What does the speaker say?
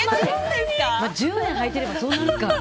１０年はいてればそうなるか。